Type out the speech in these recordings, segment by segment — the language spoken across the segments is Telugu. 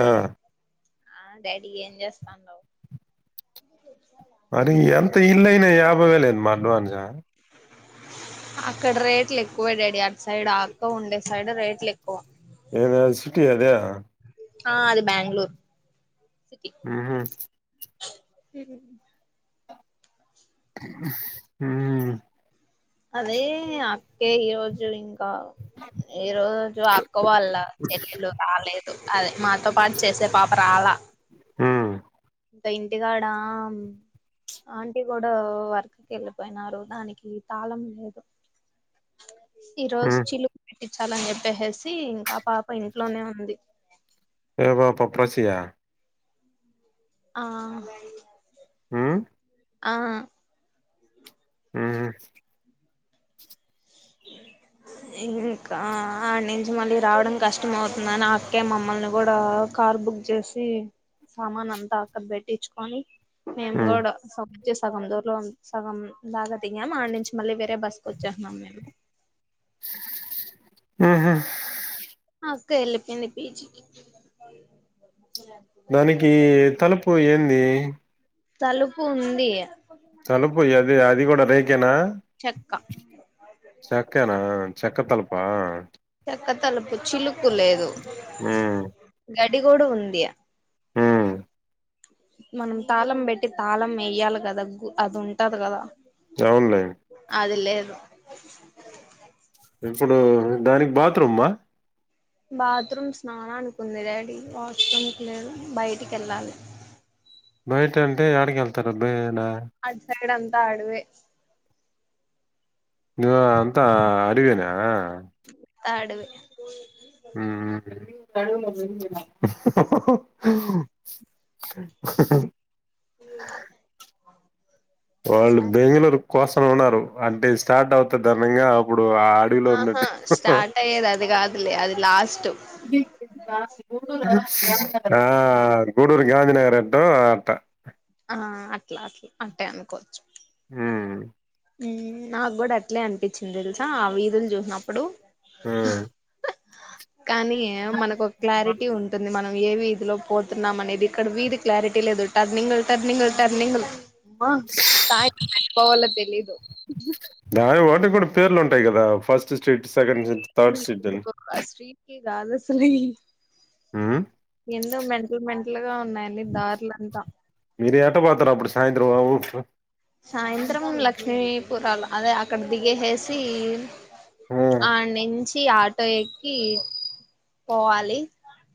ఆ ఆ డాడీ ఏం చేస్తాన్నవ్ మరి ఎంత ఇల్ల్ అయినా యాభై వేలేందిమా అడ్వాన్స్గ హహ్ అక్కడ రేట్లు ఎక్కువే డాడి అటు సైడ్ ఆ ఆర్తో ఉండే సైడ్ రేట్లు ఎక్కువ ఏదా సిటీ అదా ఆ అది బ్యాంగ్ళూరు ఉహు హు హూ అదే అక్ కే ఈ రోజు ఇంకా ఈ రోజు అక్క వాళ్ల్ళ చెల్లెలు రాలేదు అదే మాతో పాటు చేసే పాప రాలా ఊ అంత ఇంటికాడా ఆంటీ కూడా వర్క్కి వెళ్ళిపోయినారు దానికి తాళం లేదు ఈ రోజు ఉమ్ చిలుక పెట్టించాలని చెప్పేసిసి ఇంకా ఆ పాప ఇంట్లోనే ఉంది ఏ పాప ప్రసి ఆ ఆ ఉమ్ ఆ ఉమ్ అ ఇంకా ఆడ నుంచి మళ్ళీ రావడం కష్టం అవుతుందని ఆ అక్కే మమ్మల్ని కూడా కార్ బుక్ చేేసి సామాన్ అంతా అక్కడ పెట్టిచ్ఛుకొని మేము ఉమ్ కూడా ప్చే సగం దూర్లో సగం లాగా దిగామ్ ఆడి నుంచి మళ్ళీ వేరే బస్సు కి వచ్చేస్న్నాం మేము ఆ ఆ అక్క ఎళ్ళిపోయింది పీజికి దానికి తలుపు ఏంది తలుపు ఉంది తలుపు ఏది అది కూడా రేకేనా చెక్క చక్కేనా చక్క తలుపా చెక్క తలుపు చిలుక్కు లేదు ఉమ్ గడి కూడా ఉంది ఉమ్ మనం తాళం పెట్టి తాళం ఎయ్యాలి కదా గు అది ఉంటది కదా అవునులే అది లేదు ఇప్పుడు డాడీకి బాత్రూమ్మా బాత్రూమ్ స్నానానికుంది డాడీ వాష్రూమ్కి లేదు బయటికెళ్ళాలి బయటంటే యాడికెళ్తారబ్బాయయినా అడ్ సైడ్ అంతా అడవే వా అంతా అడివేనా ఆడవే ఉమ్ హహ్ ఉ ఆ వాళ్ళు బెంగళూరు కోసన ఉన్నారు అంటే స్టార్ట్ అవుతధనంగా అప్పుడు ఆ అడవిలో ఆహా ఉన్నట్టు స్టార్ట్ అయ్యేది అది కాదులే అది లాస్ట్ ఆ గూడూరు గాంధీ నగర్ ఎట్టో అదట్టా ఆ అట్లా అట్లా అట్టే అనుకోవచ్చు ఉమ్ ఉమ్ నాకు కూడా అట్లే అనిపిచ్చింది తెలుసా ఆ వీధులు చూసినప్పుడు ఆ కానీ మనకు ఒక క్లారిటీ ఉన్ టుంది మనం ఏ వీధిలో పోతున్నాం అనేది ఇక్కడ వీధి క్లారిటీ లేదు టర్నింగ్ లు టర్నింగ్ లు టర్నింగ్లు ఆ సాయి కి ఎటు పోవాలో తెలీ దాని వాటి కూడా పేర్లు ఉంటాయి కదా ఫస్ట్ స్ట్రీట్ సెకండ్ సెట్ [unintelligible] స్ట్రీకి రాదసలీ ఉమ్ ఎందుో మెంటల్ మెంటల్ గా ఉన్నాయి అన్నీ దారులంతా మీరు ఏట పోతారు అప్పుడు సాయంత్రం అవు సాయంత్రం లక్ష్మీపురాలు అదే అక్కడ దిగేహేసి ఆ ఉమ్ ఆనించి ఆటో ఎక్కి పోవాలి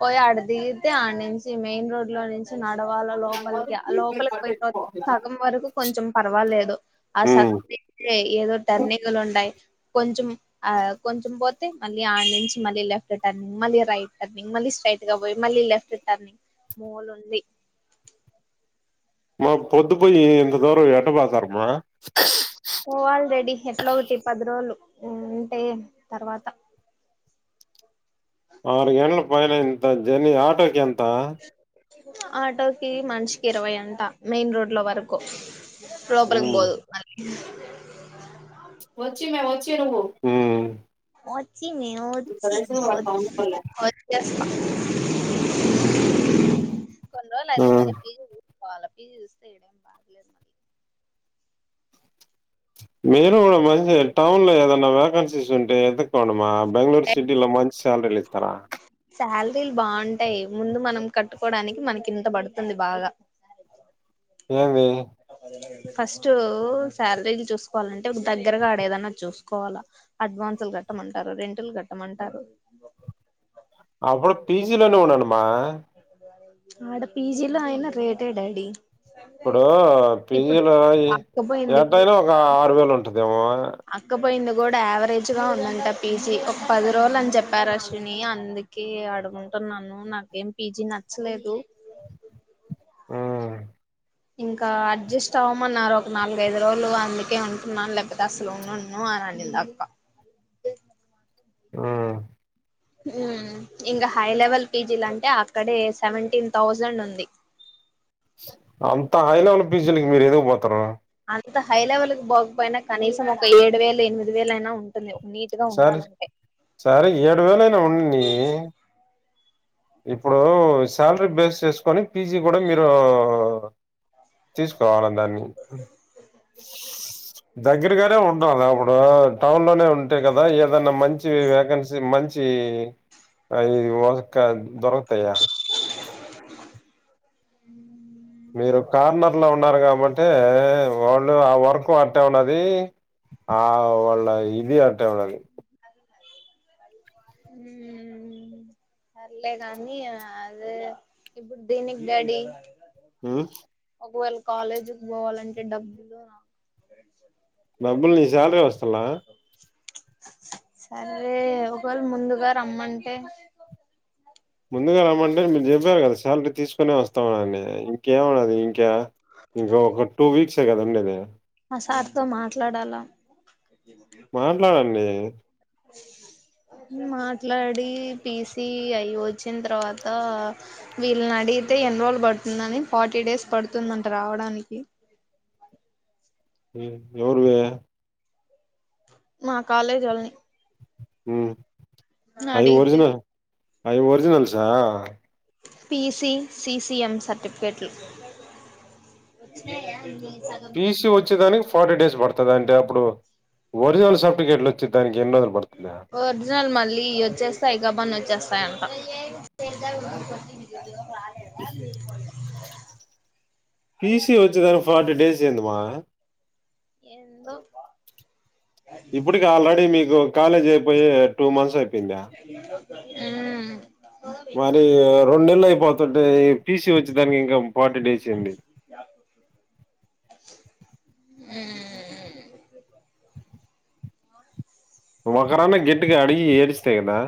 పోయి ఆడ దిగితే ఆడ నుంచి మెయిన్ రోడ్ లో నుం నడవాల లోపలికి లోపలికి పోయిన తరువాతికి సగం వరకు కొంచెం పర్వ వాలేదు ఆ సబ్జెక్ట్ ఏదో టర్నింగ్లు ఉంటయ్ కొంచెం ఆ కొంచం పోత్ తే మళ్ళీ అడ్నునుంచి మళ్ళీ లెఫ్ టర్నింగ్ మళ్ళీ రైట్ టర్నింగ్ మళ్ళీ స్ట్రెయిట్గా పోయి మళ్ళీ లెఫ్ టర్నింగ్ మూలు ఉంది మా పొద్దు పోయి ఇంత దూరం ఎట పాతారమ్మ పోవాలి రెడీ ఎట్లా ఒకటి పది రోజులు అంటే తర్వాత ఆరు గంటల పైనే ఇంత జర్నీ ఆటోకి ఎంత ఆటోకి మంచికి ఇరవై అంట మెయిన్ రోడ్ లో వరకు లోపలకు హ్మ్ బోధు మళ్ళీ మ్ వచ్చింది వచ్చి వ చేస్త కొన్ని రోజులు ఆ అయితే మళ్ళీ పీజీ పోవాలా పీజీ చూస్త ఇడా మీరు కూడా మంచి టౌన్ లో ఏదైనా వేకెన్సీస్ ఉంటే ఎత కొండి మా బెంగళూరు సిటీలో మంచి సాలరీస్ ఇస్తారా శాలరీలు బాగుంటాయి ముందు మనం కట్టుకోవడానికి మనకి ఇంత పడుతుంది బాగా ఏమి ఫస్ట్ శాలరీలు చూసుకోవాలంటే దగ్గరగా ఆడేదన్న చూసుకోవాలా అడ్వాన్సులు కట్టమంటారు రెంటులు కట్టమంటారు అప్పుడు పీజీలోనే ఉండండమ్మా ఆడ పీజీలో అయిన రేటే డాడీ ఇప్పుడు ఇప్పుడు పీజీలో కాకపోయింది ఏటయినా ఒక ఆరు వేలు ఉంటదేమో అక్కపోయింది కూడా యావరేజ్ గా ఉందంట పీజీ ఒక పది రోజులు అని చెప్పారు అశ్విని అందుక్ కే అడఉంటున్నాను నాకేం పీజి నచ్చలేదు హ్మ్ ఇంకా అడ్జస్ట్ అవ్వమన్నారు ఒక నాలుగైదు రోజులు అందుకే ఉంటున్నాను లేకపోతే అసలు ఉన్ ను ఆని అనిందిఅక్క ఆ మ్ ఇంగ హై లెవెల్ పీజీలు అంటే అక్కడే సెవెంటీన్ థౌజండ్ ఉంది అంత హైలో ఉన్న పీజులకి మీరు ఎందుకు పోతరు అంత హై లెవెల్ కి పోకపోయినా కనీసం ఒక ఏడు వేలు ఎనిమిది వేల అయినా ఉంటుంది ఒక నీ సరే సరే ఏడు వేలయినా ఉండనీ ఇప్పుడు శాలరీ బేస్ చేసుకొని పీజి కూడా మీరు తీసుకోవాల దాన్ని దగ్గరగారే ఉండాలా అప్పుడు టౌన్ లోనే ఉంటే కదా ఏదన్నా మంచి వ్యాకెన్సీ మం చి అది వర్క్ అది దొరకుతయి అ మీరు కార్నర్ లో ఉన్నారు కాబట్టే వాళ్ళు ఆ వర్క్ అట్టే ఉన్నది ఆ వాళ్ళ ఇది అంటే వళ్ళకి మ్ పర్ల్లే కానీ అదే ఇప్పుడు దేనికి డాడి మ్ ఒకవేళ కాలేజీకి పోవాలంటే డబ్బులు డబ్బులు నీ సాలరీ వస్తలా సరే ఒకవేళ ముందుగా రమ్మంటే ముందుగా రమ్మంటే మీరు చెప్పారు కదా సాలరీ తీసుకుొనే వస్తాం అన్ని ఇంకేమున్నదీ ఇంకా ఇంకా ఒక టూ వీక్సే కదండి ఉండేది ఆ సార్ తో మాట్లాడాలా మాట్లాడండి మాట్లాడి పిసి అయ వచ్చిన తర్వాత వీళ్ళని అడిగితే ఎన్నిరోజులు పడుతుందని ఫార్టీ డేస్ పడుతుందంట రావడానికి ఎవరువి మా గొల్లేగేవోల్లే అవి అడిగితే ఒరిజినల్ అవి ఒరిజినల్సా పిసి సి సిఎం సర్టిఫికెట్లు టీసీ వచ్చేదానికి ఫార్టీ డేస్ పడుతుంది అంటే అప్పుడు ఒరిజినల్ సర్టిఫికేట్లు వచ్చే దానికి ఎన్నిరోజులో ఒరిజినల్ మళ్ళీ వచ్చేస్తాయి కబన్ వచ్చేస్తాయంట టీ సీ వచ్చేదానికి ఫార్టీ డేస్ ఏందిమ్మా ఎంతో ఇప్పటికి ఆల్రెడీ మీకు కాలేజ్ అయిపోయి టూ మంత్స్ అయిపోయిందా హమ్ మరి రెండు నెలలు అయిపోతుంటే టీ సీ వచ్చేదానికి ఇంకా ఫార్టీ డేస్ ఏంది ఉమ్ ఉంగరానికి గెట్టిగా అడిగి ఎరిస్తే కదా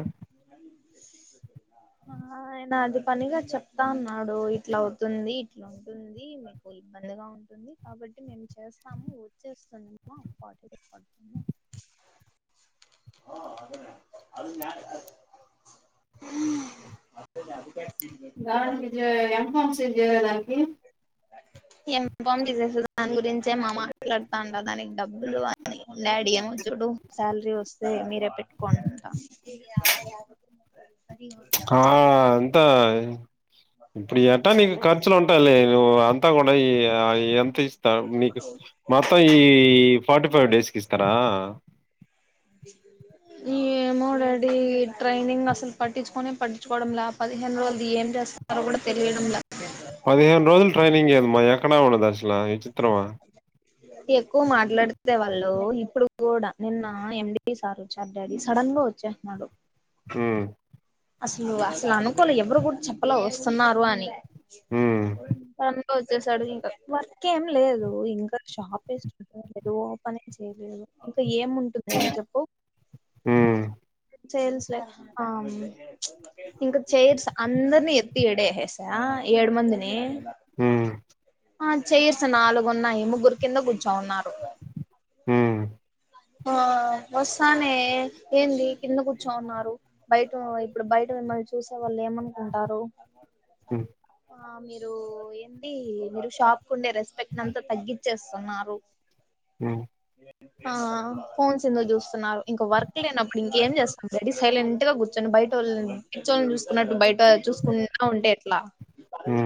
ఆ నేను అది పనిగా చెప్తా ఉన్నాడు ఇట్లా అవుతుంది ఇట్లు ఉంటుంది మీకు ఇబ్బందిగా ఉంటుంది కాబట్టి మేము చేస్తాము వచ్చేస్తుందిమ్మా పాటి పా అే అ హమ్ దానికి ఎంఫామ్ సి చేయ దానికి ఇన్కమ్ దాని గురించే మా మాట్లాడుతా ఉంట డబ్బులు డాడీ ఏమో చూడు సాలరీ వస్తే మీరే పెట్టుకోనింటాం అ అరి [unintelligible] ఆహ్ అంత ఇప్పుడు అట్టాగే ఖర్చులు ఉంటా లే నువ్వు అంతా కూడా ఈ ఎంత మీకు మొత్తం ఈ ఫార్టీ ఫైవ్ డేస్కి ఇస్తారా ఏ ఏ మో డాడీ ట్రైనింగ్ లో అసలు పట్టించుకుని పట్ంచుకోవడం లే పదిహేను రోజులు ఏం చేస్త ఎవరు తెలియడం లె పదిహేను రోజులు ట్రైనింగ్ ఏదమ్మా ఎక్కడా ఉండదు అసలు విచిత్రమా ఎక్కువ మాట్లాడితే వాళ్ళు ఇప్పుడు కూడా నిన్న ఎండి సారు చార్ డాడీ సడన్ గా వ చెహనాడు ఉమ్ అసలు అసలు అనుకోలె ఎవరు కూడా చెప్పలో వస్తున్నారు అని ఉమ్ వచ్చేసాడు ఇంకా వర్క్ ఏం లేదు ఇంకా షాప్ వే ఏదో పని చేయలేదు ఇంకా ఏం ఉంటుంది ఎడ చెప్పు ఉమ్ చేస్లే ఆమ్ ఇంక చైర్స్ అందర్నీ ఎత్తి ఏడేసేసా ఏడు మందిని ఉమ్ ఆ చేయిర్స్ నాలుగున్నాయి ముగ్గురు కింద కూర్చో ఉన్నారు హు ఆ వస్తానే ఏంది కింద కూర్చోవున్నారు బయట ఇప్పుడు బయట మిమ్మల్ని చూసే వాళ్ళు ఏమనుకుంటారు ఆ మీరు ఏంది మీరు షాప్ కు ఉండే రెస్పెక్ట్నంత తగ్గిచేస్తున్నారు ఉమ్ ఆ ఆ ఆ ఫోన్స్ ఎందుక్ చూస్తున్నారు. ఇంకొ వర్క్ లేనప్పుడు ఇంకేం చేస్తుంది. రెడీ సైలెంట్ గా కూర్చొని బయటోళ్ళని చోన్ చూసుకున్నట్టు బయట చూసుకుంట ఉంటే ఎట్లా హ్మ్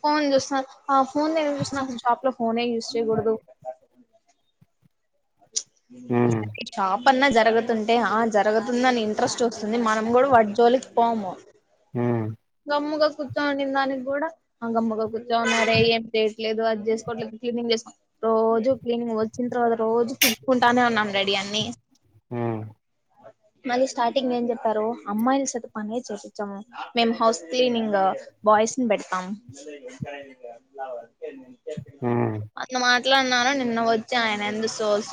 ఫోన్ చూసా [unintelligible] షాప్ లో ఫోనే యూస్ చేయ్కూడదు ఉమ్ ఉ షాప్ అన్నా జరుగుతుంటే ఆ జరుగుతుందని ఇంట్రెస్ట్ వస్తుంది మనం గుడు వాట్ జోలిక్ పోము ఉమ్ గమ్ముగ కూర్చోండి దానిక్ కూడా అంగమ్ముగా కూర్చో ఉన్నారే ఏం పెట్లేదు అది చేసుకోవట్లేదు క్లీనింగ్ చేసు రోజు క్లీనింగ్ వచ్చిన్ తర్వాత రోజు తుడుకుంటానే ఉన్నాం రెడీ అన్ని ఆ మళ్ళీ స్టార్టింగ్ ఏం చెప్తారు అమ్మాయిని సత పనె చేపిచ్చాము మేం హౌస్ క్లీనింగ్ బాయ్స్న్ పెడతాం ర ఉమ్ ఉమ్ అట్లా మాట్లాడ్నారా నిన్న వచ్చి ఆయన ఎందు సో [inaudible]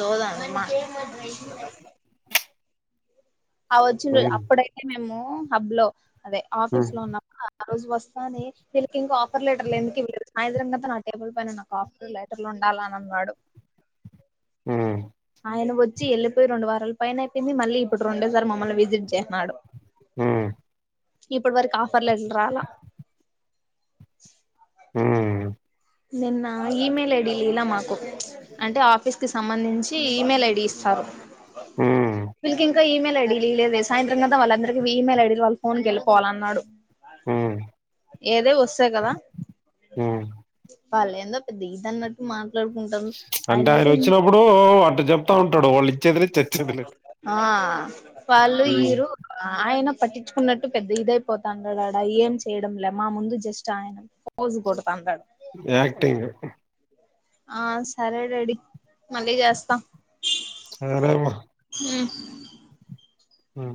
అ వచ్చిన్రోజ్ ఉమ్ అప్పుడైతే మేము హబ్ లో అదే ఉమ్ ఉమ్ ఆఫీస్ లో ఉన్నామా [inaudible] ఆ రోజు వస్తాది ఫీల్కింగ్ ఆపర్లెటర్ ఎందుకు ఆ ఎదురంగాంత నా టేబుల్ పైన నా కాఫీ లెటర్లు ఉండాల అని అన్నాడు ఉమ్ ఆయన వచ్చి వెళ్ళిపోయి రెడు వారాల పైన అయిపోయింది మళ్ళీ ఇప్పుడు రెండేసారి మమ్మల్ని విజట్ చేస్నాడు ఉమ్ ఇప్పుడు వరకు ఆఫర్లండ్రా ఉమ్ నిన్న ఇమేయిల్ ఐడి ఇలె మాకు అంటే ఆఫీస్కి సంబంధించి ఈమెయిల్ ఐడి ఇస్తారు హ వీళ్ళకింకా ఈమెయి ఐడీలీ లేదే సాయంత్రం దాకా వాళ్ళందరికిీ ఈమెయిల్ ఐడి వాళ ఫోన్కి వెళిపోవాలన్నాడు ఆ ఏది వస్తే గదా హ వాలెందో పెద్ద ఇది అన్నట్టు మాట్లాడుకుంటారు అంటే ఆయన ఇచ్చినప్పుడు అట చెప్తా ఉంటాడు వాళ్ళు ఇచ్చేదిలే చచ్చేదిలే ఆ వాళ్లు ఉమ్, ఈరు ఆయన పట్టించుకున్నట్టు పెద్ద ఇదైపోతాన్నాడాడా ఏం చేయడం లే మా ముందు జస్ట్ ఆయన ఫోజ్ కొడుతాండాడు యాక్టింగ్ ఆ సరే డాడీ మళ్ళీ చేస్త సరేమ్మ ఆ ఆ